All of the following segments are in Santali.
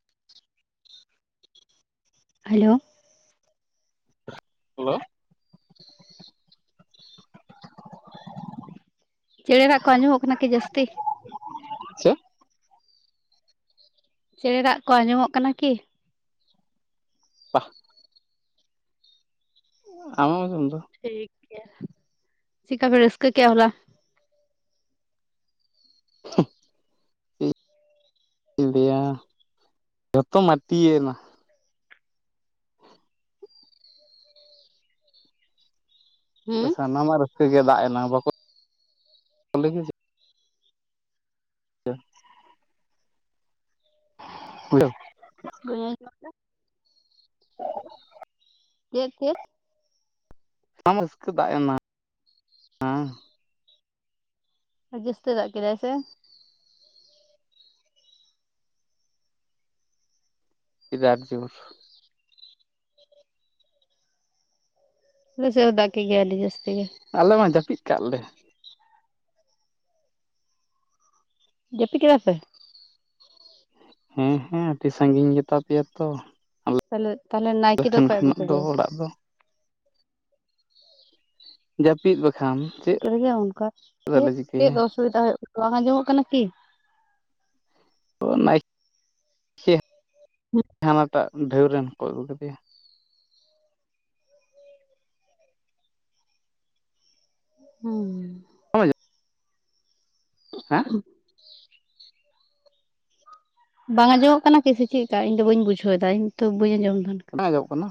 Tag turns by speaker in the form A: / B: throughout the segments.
A: [inaudible] ᱦᱮᱞᱳ
B: ᱦᱮᱞᱳ
A: ᱪᱮᱲᱮ ᱨᱟᱜᱽ ᱠᱚ ᱟᱸᱡᱚᱢ ᱚᱜ ᱠᱟᱱᱟ ᱠᱤ ᱡᱟᱹᱥᱛᱤ
B: ᱪᱮᱫ
A: ᱪᱮᱬᱮ ᱨᱟᱜ ᱠᱚ ᱟᱸᱡᱚᱢᱚᱜ ᱠᱟᱱᱟ ᱠᱤ
B: ᱵᱟᱝ ᱟᱢᱮᱢ ᱟᱸᱡᱟᱢ ᱫᱟ
A: ᱴᱷᱤᱠ ᱜᱮᱭᱟ ᱪᱤᱜ ᱠᱟ ᱯᱮ ᱨᱤᱥᱠᱟᱹ ᱠᱮᱜᱼᱟ ᱦᱚᱞᱟ
B: [unintelligible] ᱡᱟ ᱡᱷᱚᱛᱚ ᱢᱟᱴᱤᱭᱮᱱᱟ
A: ᱦᱩᱸ
B: ᱥᱟᱱᱟᱢᱟᱜ ᱨᱟᱹᱥᱠᱟᱹ ᱜᱮ ᱫᱟᱜ ᱮᱱᱟᱝ ᱵᱟᱠᱚ [unintelligible] ᱦᱮᱞᱟᱹᱣ [inaudible]
A: ᱵᱟᱹᱧ ᱟᱡᱚᱢ ᱫᱟ
B: [unintelligible]
A: ᱪᱮᱫ ᱪᱮᱫ
B: ᱚᱱᱟ ᱢᱟ ᱨᱟᱹᱥᱠᱟᱹ ᱫᱟᱜ ᱮᱱᱟ ᱦᱮᱸ
A: ᱡᱟᱹᱥᱛᱤ ᱫᱟᱜ ᱠᱮᱫᱟᱭ ᱥᱮ
B: ᱪᱤᱫᱟᱨ ᱡᱳᱨ
A: ᱟᱞᱮ ᱥᱮᱫ ᱦᱚᱸ ᱫᱟᱜ ᱠᱮᱜ ᱜᱮᱭᱟᱭ ᱟᱹᱰᱤ ᱡᱟᱹᱥᱛᱤ ᱜᱮ
B: ᱟᱞᱮ ᱢᱟ ᱡᱟᱹᱯᱤᱫ ᱠᱟᱜ ᱞᱮ
A: ᱡᱟᱹᱯᱤᱫ ᱠᱮᱫᱟ ᱯᱮ
B: ᱦᱮᱸ ᱦᱮᱸ ᱟᱹᱰᱤ ᱥᱟᱹᱜᱤᱧ ᱜᱮᱛᱟ ᱯᱮᱭᱟ ᱛᱚ ᱟᱞᱮ
A: ᱛᱟᱦᱞᱮ ᱛᱟᱦᱞᱮ
B: ᱟᱯᱮ
A: ᱱᱟᱭᱠᱮ ᱫᱚ
B: ᱴᱷᱮᱱ
A: ᱚᱠᱚᱭ ᱟᱹᱜᱩ
B: ᱠᱷᱚᱱᱟᱜ ᱫᱚ
A: ᱠᱮᱫᱮᱭᱟ
B: ᱚᱲᱟᱜ ᱫᱚ ᱡᱟᱹᱯᱤᱫ ᱵᱟᱠᱷᱟᱱ ᱪᱮᱫ
A: ᱴᱷᱤᱠᱟᱹ ᱨᱮᱜᱮ ᱚᱱᱠᱟ
B: ᱫᱚᱞᱮ
A: ᱪᱮᱫ
B: ᱪᱤᱠᱟᱹᱭᱟ
A: ᱚᱥᱩᱵᱤᱫᱟ ᱦᱩᱭᱩᱜ ᱵᱟᱝ ᱟᱡᱚᱢᱚᱜ ᱠᱟᱱᱟ ᱠᱤ
B: ᱚ ᱱᱟᱭ
A: ᱦᱩᱸ
B: ᱦᱟᱱᱟᱴᱟᱜ ᱰᱷᱟᱹᱣ ᱨᱮᱱ ᱠᱚ ᱟᱹᱜᱩ ᱠᱮᱫᱮᱭᱟ
A: ᱦᱩᱸ
B: ᱵᱟᱢ [inaudible]
A: [unintelligible] ᱵᱟᱝ ᱟᱸᱡᱚᱢᱚᱜ ᱠᱟᱱᱟ ᱠᱤ ᱥᱮ ᱪᱮᱫ ᱠᱟ ᱤᱧ ᱫᱚ ᱵᱟᱹᱧ ᱵᱩᱡᱷᱟᱹᱣ ᱫᱟ ᱤᱧ ᱛᱚ ᱵᱟᱹᱧ ᱟᱸᱡᱚᱢ ᱫᱟ ᱚᱱᱠᱟ
B: ᱵᱟᱝ ᱟᱡᱚᱢᱚᱜ ᱠᱟᱱᱟ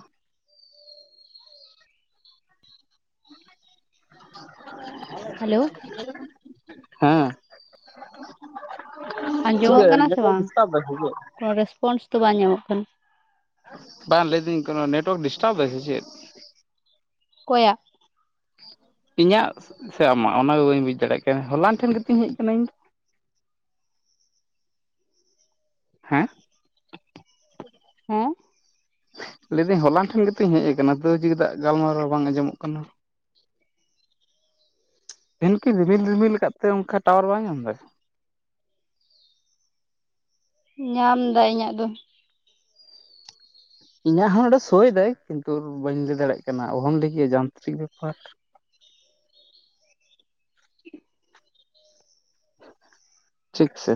A: ᱦᱮᱞᱳ
B: ᱦᱮᱸ [unintelligible] ᱪᱤᱠᱟᱹ ᱱᱮᱴᱣᱟᱨᱠ ᱰᱤᱥᱴᱟᱵ ᱫᱟᱭ ᱥᱮᱪᱮᱫ?
A: ᱠᱚᱱᱚ ᱨᱮᱥᱯᱚᱱᱥ ᱫᱚ ᱵᱟᱝ ᱧᱟᱢᱚᱜ ᱠᱟᱱᱟ
B: ᱵᱟᱝ ᱞᱟᱹᱭ ᱫᱟᱹᱧ ᱠᱚᱱᱚ ᱱᱮᱴᱚᱣᱟᱨᱠ ᱰᱤᱥᱴᱟᱵ ᱫᱟᱭ ᱥᱮ ᱪᱮᱫ
A: ᱠᱚᱭᱟᱜ
B: ᱤᱧᱟᱜ ᱥᱮ ᱟᱢᱟᱜ ᱚᱱᱟ ᱜᱮ ᱵᱟᱹᱧ ᱵᱩᱡᱽ ᱫᱟᱲᱮᱭᱟᱜ ᱠᱟᱱᱟ ᱦᱚᱞᱟᱱ ᱴᱷᱮᱱ ᱜᱮ ᱛᱩᱧ ᱦᱮᱡ ᱠᱟᱱᱟ ᱤᱧ ᱫᱚ ᱦᱮᱸ
A: ᱦᱮᱸ
B: ᱞᱟᱹᱭᱫᱟᱹᱧ ᱦᱚᱞᱟᱱ ᱴᱷᱮᱱ ᱜᱮᱛᱚᱧ ᱦᱮᱡ ᱟᱠᱟᱱᱟ ᱛᱟᱹᱣ ᱪᱮᱫᱟᱜ ᱜᱟᱞᱢᱟᱨᱟᱣ ᱵᱟᱝ ᱟᱸᱡᱚᱢᱚᱜ ᱠᱟᱱᱟ᱾ ᱛᱤᱦᱤᱱ ᱠᱤ ᱨᱤᱢᱤᱞ ᱨᱤᱢᱤᱞ ᱟᱠᱟᱫ ᱛᱮ ᱚᱱᱠᱟ ᱴᱟᱣᱟᱨ ᱵᱟᱭ ᱧᱟᱢ ᱫᱟᱭ᱾
A: ᱧᱟᱢ ᱫᱟᱭ ᱤᱧᱟᱹᱜ ᱫᱚ᱾
B: ᱤᱧᱟᱹᱜ ᱦᱚᱸ ᱱᱚᱸᱰᱮ ᱥᱳᱭᱫᱟᱭ ᱠᱤᱱᱛᱩ ᱵᱟᱹᱧ ᱞᱟᱹᱭ ᱫᱟᱲᱮᱭᱟᱜ ᱠᱟᱱᱟ ᱚᱦᱚᱢ ᱞᱟᱹᱭ ᱠᱮᱭᱟ ᱡᱟᱱᱛᱨᱤᱠ ᱵᱮᱯᱟᱨ᱾ ᱴᱷᱤᱠ ᱥᱮ?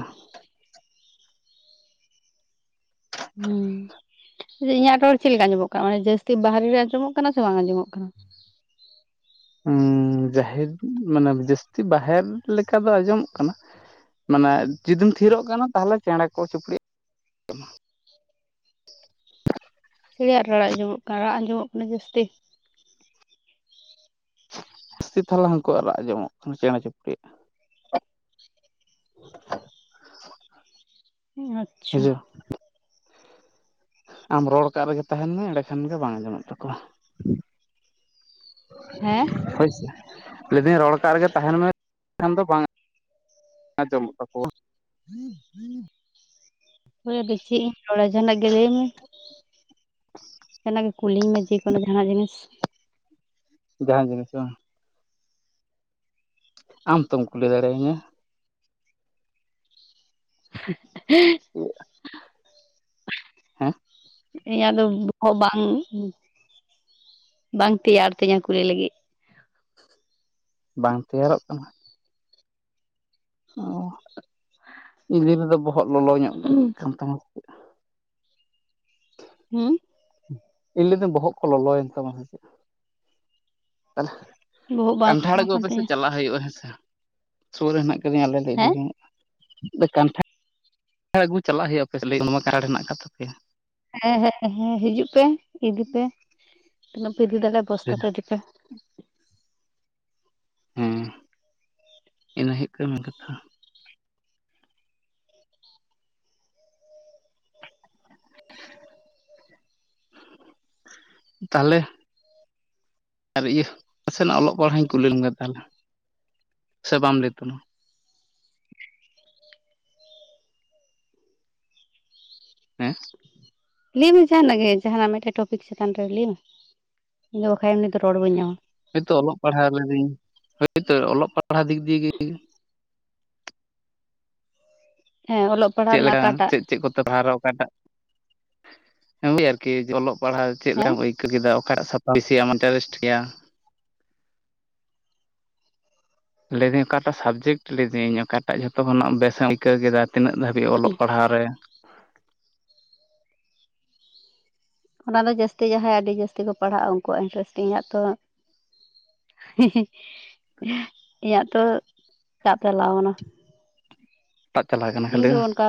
A: ᱦᱩᱸ ᱤᱧᱟᱹᱜ ᱨᱚᱲ ᱪᱤᱫ ᱞᱮᱠᱟ ᱟᱡᱚᱢᱚᱜ ᱠᱟᱱᱟ ᱢᱟᱱᱮ ᱡᱟᱹᱥᱛᱤ ᱵᱟᱦᱨᱮ ᱨᱮ ᱟᱡᱚᱢᱚᱜ ᱠᱟᱱᱟ ᱥᱮ ᱵᱟᱝ ᱟᱡᱚᱢᱚᱜ ᱠᱟᱱᱟ?
B: ᱦᱩᱸ ᱡᱟᱦᱮᱨ ᱢᱟᱱᱮ ᱡᱟᱹᱥᱛᱤ ᱵᱟᱦᱮᱨ ᱞᱮᱠᱟ ᱫᱚ ᱟᱸᱡᱚᱢᱚᱜ ᱠᱟᱱᱟ, ᱢᱟᱱᱮ ᱡᱩᱫᱤᱢ ᱛᱷᱤᱨᱚᱜ ᱠᱟᱱᱟ ᱛᱟᱦᱚᱞᱮ ᱪᱮᱬᱮ ᱠᱚ ᱪᱤᱯᱲᱤ ᱨᱟᱜ ᱟᱸᱡᱚᱢᱚᱜ ᱠᱟᱱᱟ᱾
A: ᱪᱮᱬᱮ ᱭᱟᱜ ᱨᱚᱲ ᱟᱡᱚᱢᱚᱜ ᱠᱟᱱᱟ ᱨᱟᱜ ᱟᱸᱡᱚᱢᱚᱜ ᱠᱟᱱᱟ ᱡᱟᱹᱥᱛᱤ?
B: ᱡᱟᱹᱥᱛᱤ ᱛᱟᱞᱟ ᱦᱟᱹᱱᱠᱩ ᱟᱨ ᱨᱟᱜ ᱟᱸᱡᱚᱢᱚᱜ ᱠᱟᱱᱟ ᱪᱮᱬᱮ ᱪᱩᱯᱲᱤᱭᱟᱜ᱾
A: ᱟᱪᱪᱷᱟ
B: ᱵᱩᱡᱷᱟᱹᱣ ᱟᱢ ᱨᱚᱲ ᱠᱟᱜ ᱨᱮᱜᱮ ᱛᱟᱦᱮᱱ ᱢᱮ ᱮᱸᱰᱮ ᱠᱷᱟᱱ ᱜᱮ ᱵᱟᱝ ᱟᱸᱡᱚᱢᱚᱜ ᱛᱟᱠᱚᱣᱟ᱾
A: ᱦᱮᱸ
B: ᱦᱭ ᱥᱮ? ᱞᱮᱫᱤᱱ ᱨᱚᱲ ᱠᱟᱜ ᱨᱮ ᱜᱮ ᱛᱟᱦᱮᱱ ᱢᱮᱠᱷᱟᱱ ᱫᱚ ᱵᱟᱝ ᱟᱸᱡᱚᱢᱚᱜ ᱛᱟᱠᱚᱣᱟ᱾
A: ᱦᱮᱸ ᱫᱮᱠᱷᱤ ᱟᱨ ᱡᱟᱦᱟᱱᱟᱜ ᱜᱮ ᱞᱟᱹᱭᱢ ᱢᱮ᱾ ᱡᱟᱦᱟᱱᱟᱜ ᱜᱮ ᱠᱩᱞᱤᱧ ᱢᱮ ᱡᱮᱠᱳᱱᱳ ᱡᱟᱦᱱᱟᱜ ᱡᱤᱱᱤᱥ᱾
B: ᱡᱟᱦᱟᱸ ᱡᱤᱱᱤᱥ ᱵᱟᱝ? ᱟᱢ ᱛᱚᱢ ᱠᱩᱞᱤ ᱫᱟᱲᱮᱭᱟᱹᱧᱟᱹ᱾
A: ᱦᱮᱸ
B: [inaudible] ᱦᱮᱸ
A: ᱤᱧᱟᱹᱜ ᱫᱚ ᱵᱚᱦᱚᱜ ᱵᱟᱝ ᱵᱟᱝ ᱛᱮᱭᱟᱨ ᱛᱤᱧᱟᱹ ᱠᱩᱞᱤ ᱞᱟᱜᱤᱫ᱾
B: ᱵᱟᱝ ᱛᱮᱭᱟᱨᱚᱜ ᱠᱟᱱᱟ? ᱚ ᱤᱧ ᱫᱩᱧ ᱞᱟᱹᱭ ᱫᱟ ᱵᱚᱦᱚᱜ ᱞᱚᱞᱚ ᱧᱚᱜ ᱠᱟᱱ ᱛᱟᱢᱟ᱾
A: ᱦᱩᱸ
B: ᱤᱧ ᱞᱮᱫᱤᱧ ᱵᱚᱦᱚᱜ ᱠᱚ ᱞᱚᱞᱚ ᱭᱮᱱ ᱛᱟᱢᱟ ᱥᱮ ᱪᱮᱫ᱾
A: ᱵᱚᱦᱚᱜ ᱵᱟᱝ
B: ᱠᱟᱱᱴᱷᱟᱲ
A: ᱞᱚᱲᱚ
B: ᱟᱹᱜᱩ
A: ᱠᱟᱱ
B: ᱟᱯᱮ ᱥᱮᱫ
A: ᱛᱤᱧᱟᱹ
B: ᱪᱟᱞᱟᱜ ᱦᱩᱭᱩᱜᱼᱟ ᱦᱮᱸ ᱥᱮ᱾ ᱥᱩᱨ ᱨᱮ ᱦᱮᱱᱟᱜ ᱟᱠᱟᱫᱤᱧᱭᱟ ᱟᱞᱮ ᱞᱮ
A: ᱦᱮᱸ
B: ᱤᱫᱤ ᱡᱚᱝᱟ, ᱠᱟᱱᱴᱷᱟᱲ ᱠᱟᱱᱴᱷᱟᱲ ᱟᱹᱜᱩ ᱪᱟᱞᱟᱜ ᱦᱩᱭᱩᱜᱼᱟ ᱯᱮ ᱱᱚᱣᱟ ᱠᱟᱱᱴᱷᱟᱲ ᱦᱮᱱᱟᱜ ᱟᱠᱟ ᱛᱟᱯᱮᱭᱟ᱾
A: ᱦᱮᱸ ᱦᱮᱸ ᱦᱮᱸ ᱦᱤᱡᱩᱜ ᱯᱮ ᱤᱫᱤ ᱯᱮ ᱛᱤᱱᱟᱹᱜ ᱯᱮ ᱤᱫᱤ ᱫᱟᱲᱮᱭᱟᱜ ᱵᱚᱥᱛᱟ ᱛᱮ ᱤᱫᱤ ᱯᱮ᱾
B: ᱦᱮᱸ ᱤᱱᱟᱹ ᱦᱩᱭᱩᱜ ᱠᱟᱱᱟ ᱠᱟᱛᱷᱟ᱾
A: [inaudible]
B: ᱛᱟᱦᱚᱞᱮ ᱟᱨ ᱤᱭᱟᱹ ᱱᱟᱥᱮ ᱱᱟᱜ ᱚᱞᱚᱜ ᱯᱟᱲᱦᱟᱜ ᱤᱧ ᱠᱩᱞᱤ ᱞᱮᱢ ᱜᱮ ᱛᱟᱦᱚᱞᱮ᱾ ᱥᱮ ᱵᱟᱢ ᱞᱟᱹᱭ ᱛᱟᱢᱟ? ᱦᱮᱸ
A: ᱞᱟᱹᱭᱢᱮ ᱡᱟᱦᱟᱱᱟᱜ ᱜᱮ ᱡᱟᱦᱟᱱᱟᱜ ᱢᱤᱫᱴᱮᱡ ᱴᱚᱯᱤᱠ ᱪᱮᱛᱟᱱ ᱨᱮ ᱞᱟᱹᱭᱢ ᱢᱮ ᱤᱧ ᱫᱚ ᱵᱟᱠᱷᱟᱡ ᱮᱢᱱᱤ ᱫᱚ ᱨᱚᱲ ᱵᱟᱹᱧ ᱧᱟᱢᱟ᱾
B: ᱦᱳᱭᱛᱚ ᱚᱞᱚᱜ ᱯᱟᱲᱦᱟᱣ ᱞᱤᱫᱤᱧ ᱦᱚᱳᱭᱛᱳ ᱚᱞᱚᱜ ᱯᱟᱲᱦᱟᱣ ᱫᱤᱠ ᱫᱤᱭᱮ ᱜᱤᱧ
A: ᱦᱮᱸ ᱚᱞᱚᱜ ᱯᱟᱲᱦᱟᱜ
B: ᱪᱮᱫ
A: ᱨᱮᱱᱟᱜ
B: ᱞᱮᱠᱟ
A: ᱚᱠᱟᱴᱟᱜ
B: ᱪᱮᱫ ᱪᱮᱫ ᱠᱚᱛᱮ ᱯᱟᱨᱟ ᱚᱠᱟᱴᱟᱜ ᱳᱭ ᱟᱨᱠᱤ ᱚᱞᱚᱜ ᱯᱟᱲᱦᱟᱣ ᱪᱮᱫ
A: ᱦᱮᱸ
B: ᱞᱮᱠᱟᱢ ᱟᱹᱭᱠᱟᱹᱣ ᱠᱮᱫᱟ ᱚᱠ ᱥᱟᱛᱟᱢ ᱵᱮᱥᱤ ᱤᱱᱴᱟᱨᱮᱥᱴ ᱜᱮᱭᱟ? ᱞᱟᱹᱭᱫᱟᱹᱧ ᱚᱠᱟᱴᱟᱜ ᱥᱟᱵᱽᱡᱮᱠᱴ ᱞᱤᱫᱟᱹᱧ ᱚᱠᱟᱴᱟᱜ ᱡᱷᱚᱛᱚ ᱠᱷᱚᱱᱟᱜ ᱵᱮᱥᱮ ᱮᱢ ᱟᱹᱭᱠᱟᱹᱣ ᱠᱮᱫᱟ? ᱛᱤᱱᱟᱹᱜ ᱫᱷᱟᱹᱵᱤᱡ ᱚᱞᱚᱜ ᱯᱟᱲᱦᱟᱣ ᱨᱮ
A: ᱚᱱᱟ ᱫᱚ ᱡᱟᱹᱥᱛᱤ ᱡᱟᱦᱟᱸᱭ ᱟᱹᱰᱤ ᱡᱟᱹᱥᱛᱤ ᱠᱚ ᱯᱟᱲᱦᱟᱜᱼᱟ ᱩᱱᱠᱩᱣᱟᱜ ᱤᱱᱴᱨᱮᱥᱴ ᱤᱧᱟᱹᱜ ᱛᱚ ᱤᱧᱟᱹᱜ ᱛᱚ ᱛᱟᱯ ᱪᱟᱞᱟᱣ ᱠᱟᱱᱟ᱾
B: ᱴᱟᱜ ᱪᱟᱞᱟᱣ ᱠᱟᱱᱟ
A: ᱤᱧ
B: ᱠᱷᱟᱹᱞᱤ
A: ᱫᱚ ᱚᱱᱠᱟ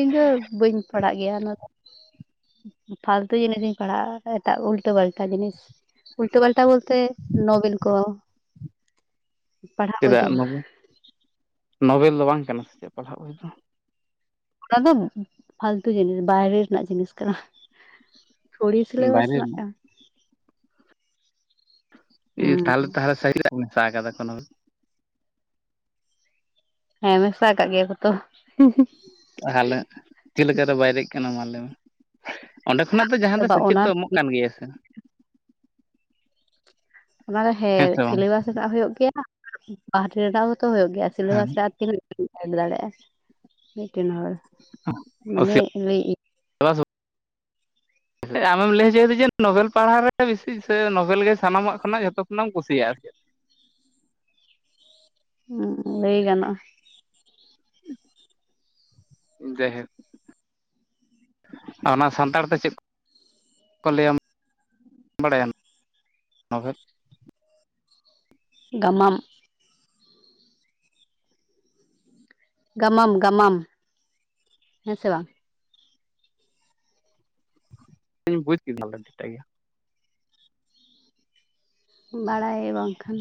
A: ᱤᱧ ᱫᱚ ᱵᱟᱹᱧ ᱯᱟᱲᱟᱜ ᱜᱮᱭᱟ ᱚᱱᱟ ᱫᱚ᱾ ᱯᱷᱟᱞᱛᱩ ᱡᱤᱱᱤᱥᱤᱧ ᱯᱟᱲᱦᱟᱜᱼᱟ ᱮᱴᱟᱜ ᱩᱞᱴᱟᱹ ᱯᱟᱞᱴᱟ ᱡᱤᱱᱤᱥ ᱩᱞᱴᱟᱹ ᱯᱟᱞᱴᱟ ᱵᱚᱞᱛᱮ ᱱᱚᱵᱮᱱ ᱠᱚ ᱯᱟᱲᱦᱟᱣ ᱵᱳᱭ
B: ᱪᱮᱫᱟᱜ
A: ᱫᱚ
B: ᱱᱚᱵᱮᱞ ᱱᱚᱳᱵᱮᱞ ᱫᱚ ᱵᱟᱝ ᱠᱟᱱᱟ ᱥᱮ ᱪᱮᱫ ᱯᱟᱲᱦᱟᱜ ᱵᱚᱭ ᱫᱚ
A: ᱚᱱᱟ ᱫᱚ ᱯᱷᱟᱞᱛᱩ ᱡᱤᱱᱤᱥ ᱵᱟᱭᱨᱮ ᱨᱮᱱᱟᱜ ᱡᱤᱱᱤᱥ ᱠᱟᱱᱟ᱾ ᱛᱷᱚᱲᱤ ᱥᱤᱞᱮᱵᱟᱥ ᱨᱮᱱᱟᱜ ᱠᱟᱱᱟ᱾
B: ᱤ
A: ᱦᱩᱸ
B: ᱛᱟᱦᱚᱞᱮ ᱛᱟᱦᱚᱞᱮ ᱥᱟᱦᱤᱞᱟᱜ ᱢᱮᱥ ᱟᱠᱟᱫᱟ ᱠᱳᱱᱳ
A: ᱦᱮᱸ ᱢᱮᱥᱟ ᱠᱟᱜ ᱜᱮᱭᱟ ᱠᱚ ᱛᱚ
B: ᱛᱟᱦᱚᱞᱮ ᱪᱮᱫ ᱞᱮᱠᱟ ᱞᱮᱠᱟ ᱛᱮ ᱵᱟᱭ ᱫᱮᱡ ᱠᱟᱱᱟ ᱢᱟ ᱞᱟᱹᱭ ᱢᱮ? ᱚᱸᱰᱮ ᱠᱷᱚᱱᱟᱜ ᱫᱚ ᱡᱟᱦᱟᱸ ᱫᱚ ᱥᱮᱪᱮᱫ
A: ᱚᱱᱟ
B: ᱫᱚ ᱮᱢᱚᱜ ᱠᱟᱱ ᱜᱮᱭᱟ ᱥᱮ
A: ᱚᱱᱟ ᱫᱚ ᱦᱮᱸ
B: ᱥᱮ ᱵᱟᱝ
A: ᱥᱤᱞᱮᱵᱟᱥ ᱨᱮᱱᱟᱜ ᱦᱩᱭᱩᱜ ᱜᱮᱭᱟ ᱵᱟᱦᱨᱮ ᱨᱮᱱᱟᱜ ᱦᱚᱸ ᱡᱚᱛᱚ ᱦᱩᱭᱩᱜ ᱜᱮᱭᱟ
B: ᱦᱮᱸ
A: ᱥᱤᱞᱮᱵᱟᱥ ᱨᱮ ᱟᱨ ᱛᱤᱱᱟᱹᱜ ᱥᱮᱴ ᱫᱟᱲᱮᱭᱟᱜᱼᱟ ᱢᱤᱫ ᱴᱮᱱ ᱦᱚᱲ ᱢᱟᱱᱮ ᱞᱮᱭᱮᱫ ᱤᱧ
B: ᱪ [inaudible] ᱟᱢᱮᱢ ᱞᱟᱹᱭ ᱦᱚᱪᱚᱭᱮᱫᱟ ᱡᱮ ᱱᱳᱵᱮᱞ ᱯᱟᱲᱦᱟᱣ ᱨᱮ ᱵᱮᱥᱤ ᱥᱮ ᱱᱚᱵᱮᱞ ᱜᱮ ᱥᱟᱱᱟᱢᱟᱜ ᱠᱷᱚᱱᱟᱜ ᱡᱚᱛᱚ ᱠᱷᱚᱱᱟᱜ ᱮᱢ ᱠᱩᱥᱤᱭᱟᱜᱼᱟ ᱥᱮᱪᱮᱫ?
A: ᱦᱩᱸ ᱞᱟᱹᱭ ᱜᱟᱱᱚᱜᱼᱟ᱾
B: ᱡᱟᱭ ᱦᱳᱠ, ᱚᱱᱟ ᱥᱟᱱᱛᱟᱲ ᱛᱮ ᱪᱮᱫ? [unintelligible] ᱵᱟᱲᱟᱭᱟᱢ [unintelligible]
A: ᱜᱟᱢᱟᱢ, ᱜᱟᱢᱟᱢ ᱜᱟᱢᱟᱢ ᱦᱮᱸ ᱥᱮ ᱵᱟᱝ?
B: ᱤᱧ ᱵᱩᱡᱽ ᱠᱮᱫᱟᱞᱮ ᱟᱹᱰᱤ ᱮᱴᱟᱜ ᱜᱮᱭᱟ,
A: ᱵᱟᱲᱟᱭ ᱵᱟᱝᱠᱷᱟᱱ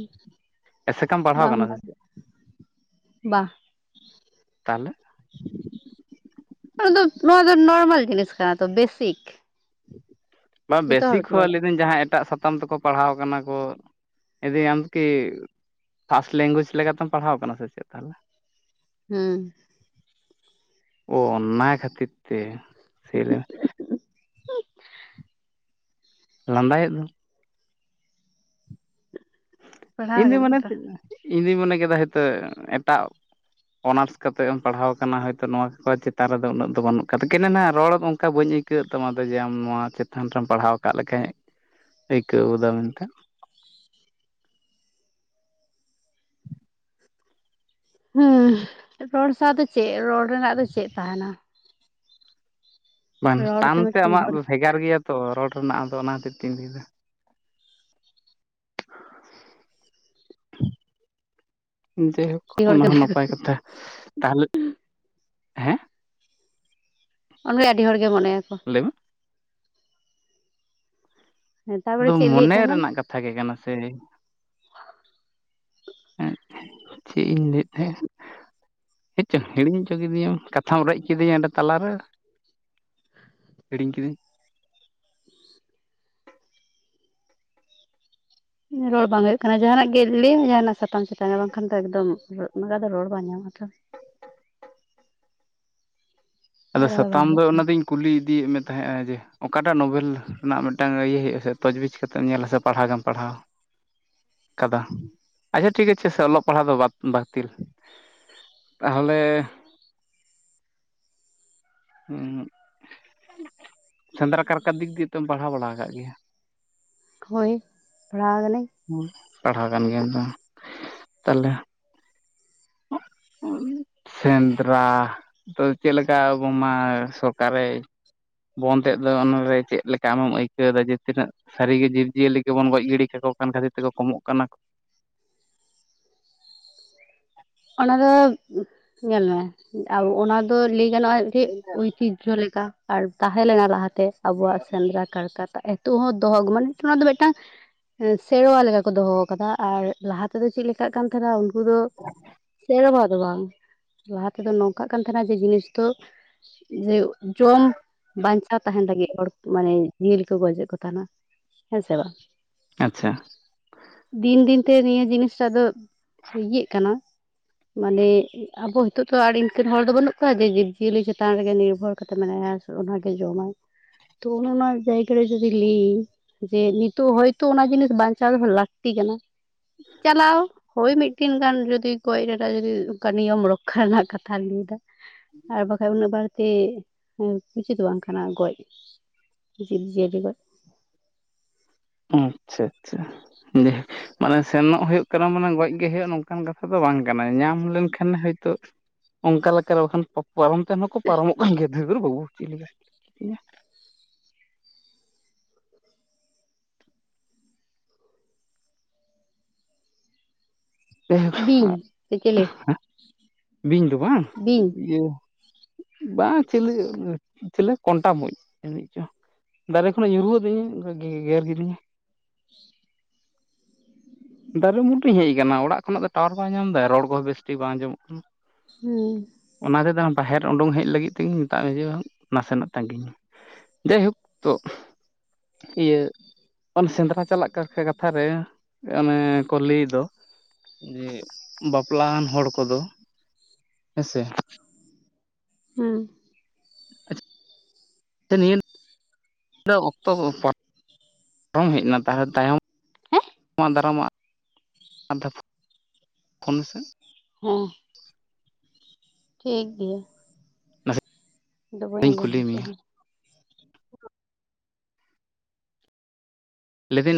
B: ᱮᱥᱮᱠᱟᱢ ᱯᱟᱲᱦᱟᱣ
A: ᱵᱟᱝ
B: ᱠᱟᱱᱟ ᱥᱮ
A: ᱵᱟᱲᱟᱭᱟ
B: ᱪᱮᱫ
A: ᱵᱟᱦ,
B: ᱛᱟᱦᱚᱞᱮ
A: ᱱᱚᱣ ᱫᱚ ᱱᱚᱶᱟ ᱫᱚ ᱱᱚᱨᱢᱟᱞ ᱡᱤᱱᱤᱥ ᱠᱟᱱᱟ ᱛᱚ ᱵᱮᱥᱤᱠ᱾
B: ᱵᱟᱝ
A: ᱡᱚᱛᱚ
B: ᱵᱮᱥᱤᱠ
A: ᱦᱚᱲ ᱠᱚ
B: ᱦᱚᱸ ᱟᱹᱞᱤ
A: ᱵᱟᱲᱟᱭᱟ
B: ᱫᱤᱱ ᱡᱟᱦᱟᱸ ᱮᱴᱟᱜ ᱥᱟᱛ ᱥᱟᱛᱟᱢ ᱛᱮᱠᱚ ᱯᱟᱲᱦᱟᱣ ᱠᱟᱱᱟ ᱠᱚ ᱤᱫᱤ ᱟᱢ ᱫᱚ ᱠᱤ ᱯᱷᱟᱥᱴ ᱞᱮᱝᱜᱩᱭᱮᱡ ᱞᱮᱠᱟᱛᱮᱢ ᱯᱟᱲᱦᱟᱣ ᱟᱠᱟᱱᱟ ᱥᱮ ᱪᱮᱫ ᱛᱟᱦᱚᱞᱮ?
A: ᱦᱮᱸ
B: ᱚ ᱚᱱᱟ ᱠᱷᱟᱹᱛᱤᱨ ᱛᱮ ᱥᱮ ᱞᱮ ᱞᱟᱸᱫᱟᱭᱮᱫ ᱫᱚᱢ,
A: ᱯᱟᱲᱦᱟᱣ
B: ᱤᱧᱫᱚ ᱢᱚᱱᱮ
A: ᱠᱟᱱᱟᱧ ᱛᱚ
B: ᱤᱧᱫᱩᱧ ᱢᱚᱱᱮ ᱠᱮᱫᱟ ᱦᱳᱭᱛᱳ ᱮᱴᱟᱜ ᱚᱱᱟᱨᱥ ᱠᱟᱛᱮ ᱮᱢ ᱯᱟᱲᱦᱟᱣ ᱟᱠᱟᱱᱟ ᱦᱳᱭᱛᱳ᱾ ᱱᱚᱶᱟ ᱠᱚ ᱪᱮᱛᱟᱱ ᱨᱮᱫᱚ ᱩᱱᱟᱹᱜ ᱫᱚ ᱵᱟᱹᱱᱩᱜ ᱠᱟᱫᱟ᱾ ᱠᱮᱱᱮ ᱱᱟ ᱨᱚᱲ ᱫᱚ ᱚᱱᱠᱟ ᱵᱟᱹᱧ ᱟᱹᱭᱠᱟᱹᱣᱟ᱾ ᱟᱹᱭᱠᱟᱹᱜ ᱛᱟᱢᱟ ᱡᱮ ᱟᱢ ᱱᱚᱣᱟ ᱪᱮᱛᱟᱱ ᱨᱮᱢ ᱯᱟᱲᱦᱟᱣ ᱟᱠᱟᱫ ᱞᱮᱠᱟᱱ ᱟᱹᱭᱠᱟᱹᱣ ᱜᱚᱫᱟ ᱢᱮᱱᱛᱮ᱾
A: ᱦᱮᱸ ᱨᱚᱲ ᱥᱟᱶ ᱫᱚ ᱪᱮᱫ ᱨᱚᱲ ᱨᱮᱱᱟᱜ ᱫᱚ ᱪᱮᱫ ᱛᱟᱦᱮᱱᱟ?
B: ᱵᱟᱝ
A: ᱨᱚᱲ
B: ᱴᱟᱱ ᱛᱮ
A: ᱢᱤᱫᱴᱮᱱ
B: ᱟᱢᱟᱜ
A: ᱦᱚᱲ
B: ᱫᱚ ᱵᱷᱮᱜᱟᱨ ᱜᱮᱭᱟ ᱛᱚ, ᱨᱚᱲ ᱨᱮᱱᱟᱜ ᱟᱫᱚ ᱚᱱᱟ ᱠᱷᱟᱹᱛᱤᱨ ᱛᱤᱨ ᱛᱤᱧ ᱞᱟᱹᱭ ᱮᱫᱟ᱾ ᱫᱮᱦᱳ
A: ᱟᱹᱰᱤ ᱦᱚᱲ ᱜᱮ
B: ᱚᱱᱟ ᱦᱚᱸ ᱱᱟᱯᱟᱭ ᱠᱟᱛᱷᱟ, ᱛᱟᱦᱚᱞᱮ ᱦᱮᱸ
A: ᱚᱸᱰᱮ ᱟᱹᱰᱤ ᱦᱚᱲᱜᱮ ᱢᱚᱱᱮᱭᱟᱠᱚ
B: ᱞᱟᱹᱭ ᱢᱮ,
A: ᱛᱟᱨᱯᱚᱨᱮ
B: ᱟᱫᱚ
A: ᱪᱮᱫ ᱞᱟᱹᱭᱮᱫ
B: ᱢᱚᱱᱮ
A: ᱛᱟᱦᱮᱱᱟᱢ
B: ᱨᱮᱱᱟᱜ ᱠᱟᱛᱷᱟ ᱜᱮ ᱠᱟᱱᱟ ᱥᱮ᱾ ᱪᱮᱫ ᱤᱧ ᱞᱟᱹᱭᱮᱫ ᱛᱟᱦᱮᱸᱱᱟ? ᱪᱮᱫ ᱪᱚᱝ ᱦᱤᱲᱤᱧ ᱦᱚᱪᱚ ᱠᱤᱫᱤᱧᱟᱢ᱾ ᱠᱟᱛᱷᱟᱢ ᱨᱮᱡ ᱠᱮᱫᱤᱧᱟ ᱚᱸᱰᱮ ᱛᱟᱞᱟᱨᱮ᱾ ᱦᱤᱲᱤᱧ ᱠᱤᱫᱟᱹᱧ,
A: ᱨᱚᱲ ᱵᱟᱝ ᱦᱩᱭᱩᱜ ᱠᱟᱱᱟ ᱡᱟᱦᱟᱱᱟᱜ ᱜᱮ ᱞᱟᱹᱭ ᱢᱮ᱾ ᱡᱟᱦᱟᱱᱟᱜ ᱥᱟᱛᱟᱢ ᱪᱮᱛᱟᱱ ᱵᱟᱝᱠᱷᱟᱱ ᱫᱚ ᱮᱠᱫᱚᱢ ᱫᱚ ᱨᱚᱲ ᱵᱟᱝ ᱧᱟᱢᱟ ᱛᱚ᱾
B: ᱟᱫᱚ
A: ᱛᱚ ᱨᱚᱲ ᱵᱟᱝ
B: ᱥᱟᱛᱟᱢ ᱫᱚ
A: ᱦᱩᱭᱩᱜ
B: ᱚᱱᱟ
A: ᱠᱟᱱᱟ
B: ᱫᱚᱧ ᱠᱩᱞᱤ ᱤᱫᱤᱭᱮᱫ ᱢᱮ ᱛᱟᱦᱮᱸᱜᱱᱟ ᱡᱮ᱾ ᱚᱠᱟᱴᱟᱜ ᱱᱚᱵᱮᱞ ᱨᱮᱱᱟᱜ ᱢᱤᱫ ᱴᱟᱝ ᱤᱭᱟᱹ ᱦᱩᱭᱩᱜᱭ-ᱟ, ᱟᱥᱮ ᱛᱚᱡᱽᱵᱤᱡᱽ ᱠᱟᱛᱮᱢ ᱧᱮᱞᱟ ᱥᱮ ᱯᱟᱲᱦᱟᱣ ᱜᱮᱢ ᱯᱟᱲᱦᱟᱣ᱾ ᱠᱟᱫᱟ, ᱟᱪᱪᱷᱟ ᱴᱷᱤᱠ ᱟᱪᱷᱮ ᱥᱮ ᱚᱞᱚᱜ ᱯᱟᱲᱦᱟᱜ ᱫᱚ ᱵᱟᱛᱤᱞ᱾ ᱛᱟᱦᱚᱞᱮ ᱦᱮᱸ ᱥᱮᱸᱫᱽᱨᱟ ᱠᱟᱨᱠᱟ ᱤᱫᱤ ᱫᱤᱠ ᱠᱟᱛᱮᱢ ᱯᱟᱲᱦᱟᱣ ᱵᱟᱲᱟ ᱟᱠᱟᱫ ᱜᱮᱭᱟ?
A: ᱦᱳᱭ ᱯᱟᱲᱦᱟᱣ ᱟᱠᱟᱱᱟᱹᱧ,
B: ᱯᱟᱲᱦᱟᱣ ᱜᱟᱱ ᱜᱮᱭᱟᱢ ᱛᱚ ᱛᱟᱦᱚᱞᱮ ᱥᱮᱸᱫᱽᱨᱟ ᱛᱚ ᱪᱮᱫᱞᱮᱠᱟ ᱟᱵᱚ ᱢᱟ ᱥᱚᱵ ᱚᱠᱟᱨᱮ? ᱵᱚᱸᱫᱮᱜ ᱫᱚ ᱚᱱᱟᱨᱮ ᱪᱮᱫ ᱞᱮᱠᱟ ᱟᱢᱮᱢ ᱟᱹᱭᱠᱟᱹᱣ ᱮᱫᱟ? ᱡᱮ, ᱛᱤᱱᱟᱹᱜ ᱥᱟᱹᱨᱤ ᱡᱤᱵ ᱡᱤᱭᱟᱹᱞᱤ ᱜᱮᱵᱚᱱ ᱜᱚᱡ ᱜᱤᱰᱤ ᱠᱟᱠᱚ ᱠᱟᱱ ᱠᱷᱟᱹᱛᱤᱨ ᱛᱮᱠᱚ ᱠᱚᱢᱚᱜ ᱠᱟᱱᱟ ᱾
A: ᱚᱱᱟ ᱫᱚ ᱧᱮᱞ ᱢᱮ, ᱟᱵᱚ ᱚᱱᱟ ᱫᱚ ᱞᱟᱹᱭ ᱜᱟᱱᱚᱜᱼᱟ ᱢᱤᱫᱴᱤᱡ ᱩᱭᱛᱤᱡᱚ ᱞᱮᱠᱟ ᱟᱨ ᱛᱟᱦᱮᱸ ᱞᱮᱱᱟ ᱞᱟᱦᱟᱛᱮ ᱟᱵᱚᱣᱟᱜ ᱥᱮᱸᱫᱽᱨᱟ ᱾ ᱠᱟᱨᱠᱟᱛᱟ ᱮᱛᱚ ᱦᱚᱸ ᱫᱚᱦᱚ ᱟᱹᱜᱩ ᱢᱟᱱᱮ ᱚᱱᱟ ᱫᱚ ᱢᱤᱫᱴᱟᱝ ᱥᱮᱨᱚᱣᱟ ᱞᱮᱠᱟᱠᱩ ᱫᱚᱦᱚ ᱟᱠᱟᱫᱟ ᱟᱨ ᱞᱟᱦᱟ ᱛᱮᱫᱚ ᱪᱮᱫ ᱞᱮᱠᱟᱜ ᱠᱟᱱ ᱛᱟᱦᱮᱸᱱᱟ, ᱩᱱᱠᱩ ᱫᱚ ᱥᱮᱨᱚᱣᱟ ᱫᱚ ᱵᱟᱝ ᱞᱟᱦᱟ ᱛᱮᱫᱚ ᱱᱚᱝᱠᱟᱜ ᱠᱟᱱ ᱛᱟᱦᱮᱱᱟ, ᱡᱮ ᱡᱤᱱᱤᱥ ᱫᱚ ᱡᱮ ᱡᱚᱢ ᱵᱟᱧᱪᱟᱣ ᱛᱟᱦᱮᱱ ᱞᱟᱹᱜᱤᱫ ᱦᱚᱲ ᱢᱟᱱᱮ ᱡᱤᱞ ᱠᱚ ᱜᱚᱡᱮᱫ ᱠᱚ ᱛᱟᱦᱮᱱᱟ ᱦᱮᱸ ᱥᱮ ᱵᱟᱝ?
B: ᱟᱪᱪᱷᱟ ᱾
A: ᱫᱤᱱ-ᱫᱤᱱ ᱛᱮ ᱱᱤᱭᱟᱹ ᱡᱤᱱᱤᱥ ᱴᱟ ᱫᱚ ᱤᱭᱟᱹᱜ ᱠᱟᱱᱟ ᱾ ᱢᱟᱱᱮ ᱟᱵᱚ ᱦᱤᱛᱚᱜ ᱛᱚ ᱟᱨ ᱤᱱᱠᱟᱹᱱ ᱦᱚᱲ ᱫᱚ ᱵᱟᱹᱱᱩᱜ ᱠᱚᱣᱟ ᱡᱮ ᱡᱤᱵᱽᱡᱤᱭᱟᱹᱞᱤ ᱪᱮᱛᱟᱱ ᱨᱮᱜᱮ ᱱᱤᱨᱵᱷᱚᱨ ᱠᱟᱛᱮ ᱢᱮᱱᱟᱭᱟ ᱾ ᱚᱱᱟ ᱜᱮ ᱡᱚᱢᱟᱭ ᱛᱚ ᱚᱱᱟ-ᱚᱱᱟ ᱡᱟᱭᱜᱟ ᱨᱮ ᱡᱩᱫᱤ ᱞᱟᱹᱭᱤᱧ ᱾ ᱡᱮ ᱱᱤᱛᱚᱜ ᱦᱚᱭᱛᱚ ᱚᱱᱟ ᱡᱤᱱᱤᱥ ᱵᱟᱧᱪᱟᱣ ᱫᱚᱦᱚ ᱞᱟᱹᱠᱛᱤ ᱠᱟᱱᱟ ᱾ ᱪᱟᱞᱟᱣ ᱦᱚᱭ ᱢᱤᱫᱴᱤᱱ ᱜᱟᱱ ᱡᱩᱫᱤ ᱜᱚᱡ ᱨᱮᱱᱟᱜ ᱡᱩᱫᱤ ᱚᱱᱠᱟ ᱱᱤᱭᱚᱢ ᱚᱰᱚᱠ ᱠᱷᱟᱱᱟᱜ ᱠᱟᱛᱷᱟᱢ ᱞᱟᱹᱭ ᱫᱟ ᱟᱨ ᱵᱟᱠᱷᱟᱱ ᱩᱱᱟᱹᱜ ᱵᱟᱹᱲᱛᱤ ᱦᱮᱸ ᱩᱪᱤᱛ ᱵᱟᱝ ᱠᱟᱱᱟ ᱜᱚᱡ ᱡᱤᱵᱽᱡᱤᱭᱟᱹᱞᱤ ᱜᱚᱡ ᱾
B: ᱟᱪᱪᱷᱟ, ᱟᱪᱪᱷᱟ ᱾ ᱢᱟᱱᱮ ᱥᱮᱱᱚᱜ ᱦᱩᱭᱩᱜ ᱠᱟᱱᱟ ᱢᱟᱱᱮ ᱜᱚᱡ ᱜᱮ, ᱦᱩᱭᱩᱜ ᱱᱚᱝᱠᱟᱱ ᱠᱟᱛᱷᱟ ᱫᱚ ᱵᱟᱝ ᱠᱟᱱᱟ ᱧᱟᱢ ᱞᱮᱱᱠᱷᱟᱱ ᱦᱚᱭᱛᱚᱼᱼ ᱚᱝᱠᱟ ᱞᱮᱠᱟᱨᱮ ᱵᱟᱠᱷᱟᱱ ᱯᱟ-ᱯᱟᱨᱚᱢ ᱛᱮᱱ ᱦᱚᱸᱠᱚ ᱯᱟᱨᱚᱢᱚᱜ ᱠᱟᱱ ᱜᱮᱭᱟ ᱫᱷᱟᱹᱨ ᱵᱟᱹᱵᱩ ᱪᱮᱞᱮ ᱭᱟ ᱾
A: ᱵᱤᱧ ᱥᱮ ᱪᱮᱞᱮ
B: ᱵᱤᱧ ᱫᱚ ᱵᱟᱝ
A: ᱵᱤᱧ
B: ᱤᱭᱟᱹ ᱾ ᱵᱟᱝ ᱪᱤᱞᱤ, ᱪᱷᱤᱞᱮ ᱠᱚᱱᱴᱟ ᱢᱩᱡ ᱮᱱᱮᱡ ᱪᱚᱝ ᱫᱟᱨᱮ ᱠᱷᱚᱱᱟᱜ ᱧᱩᱨᱩ ᱭᱟᱜ ᱟᱹᱫᱤᱧᱟᱹ ᱜᱮᱨ ᱠᱤᱫᱤᱧᱟᱭ ᱾ ᱫᱟᱨᱮ ᱵᱩᱴᱟᱹᱧ ᱦᱮᱡ ᱟᱠᱟᱱᱟ ᱚᱲᱟᱜ ᱠᱷᱚᱱᱟᱜ ᱫᱚ ᱴᱟᱣᱟᱨ ᱵᱟᱭ ᱧᱟᱢ ᱮᱫᱟ ᱾ ᱨᱚᱲ ᱠᱚᱦᱚᱸ ᱵᱮᱥ ᱴᱷᱤᱠ ᱵᱟᱝ ᱟᱸᱡᱚᱢᱚᱜ ᱠᱟᱱᱟ
A: ᱦᱩᱸ
B: ᱾ ᱚᱱᱟ ᱛᱮᱫᱚ ᱵᱟᱦᱮᱨ ᱩᱰᱩᱝ ᱦᱮᱡ ᱞᱟᱹᱜᱤᱫ ᱛᱮᱜᱤᱧ ᱢᱮᱛᱟᱜ ᱢᱮ, ᱡᱮ ᱵᱟᱝ ᱱᱟᱥᱮᱱᱟᱜ ᱛᱟᱜᱤᱧ ᱢᱮ᱾ ᱡᱟᱭ ᱦᱩᱠ ᱛᱚ ᱾ ᱤᱭᱟᱹ ᱚᱱᱮ ᱥᱮᱸᱫᱽᱨᱟ ᱪᱟᱞᱟᱜ ᱠᱟᱨ ᱠᱟ ᱠᱟᱛᱷᱟ ᱨᱮᱼᱼ ᱚᱱᱮ ᱠᱚ ᱞᱟᱹᱭ ᱫᱚ ᱡᱮ ᱵᱟᱯᱞᱟᱣᱟᱱ ᱦᱚᱲ ᱠᱚᱫᱚᱼᱼ ᱦᱮᱸ ᱥᱮ
A: ᱦᱚᱸ
B: ᱟᱪᱷ ᱱᱤᱭᱟᱹ ᱫᱚ ᱚᱠᱛᱚ ᱠᱚ ᱯᱟ ᱨᱚᱝ ᱦᱮᱜ ᱱᱟ ᱛᱟᱦᱮᱱ, ᱛᱟᱭᱚᱢ
A: ᱦᱮᱸ
B: ᱫᱟᱨᱟᱢᱟᱜ ᱟᱫ ᱯᱷᱚᱱ ᱢᱮ ᱥᱮ
A: ᱦᱮᱸ ᱴᱷᱤᱠ ᱜᱤᱭᱟ ᱤᱫᱚ ᱵᱟᱹᱧ
B: ᱱᱟᱥᱮᱧ
A: ᱟᱸᱡᱚᱢ
B: ᱠᱩᱞᱤ
A: ᱫᱟ ᱪᱮᱜ
B: ᱢᱮᱭᱟ
A: ᱦᱚᱸ
B: ᱞᱮᱫᱮᱱᱟ